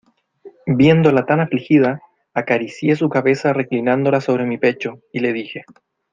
viéndola tan afligida, acaricié su cabeza reclinándola sobre mi pecho , y le dije: